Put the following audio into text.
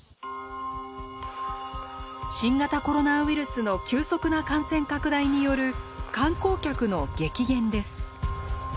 新型コロナウイルスの急速な感染拡大による観光客の激減です。